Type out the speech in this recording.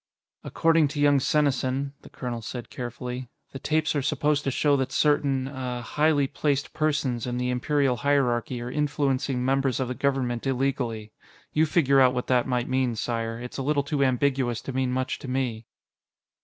"According to young Senesin," the colonel said carefully, "the tapes are supposed to show that certain ... ah ... 'highly placed persons' in the Imperial hierarchy are influencing members of the Government illegally. You figure out what that might mean, Sire; it's a little too ambiguous to mean much to me."